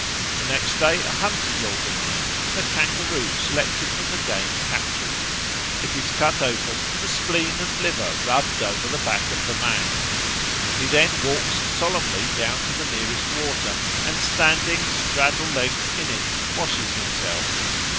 The next day a hunt is organised, and a kangaroo selected from the game captured. It is cut open and the spleen and liver rubbed over the back of the man. He then walks solemnly down to the nearest water, and standing straddle legs in it washes himself.